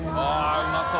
うまそう。